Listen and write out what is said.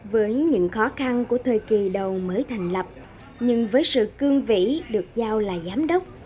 với những khó khăn của thời kỳ đầu mới thành lập nhưng với sự cương vĩ được giao là giám đốc